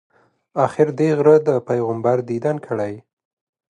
آخر دې غره د پیغمبر دیدن کړی.